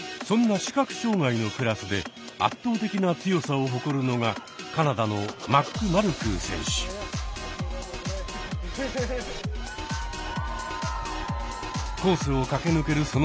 そんな視覚障害のクラスで圧倒的な強さを誇るのがカナダのコースを駆け抜ける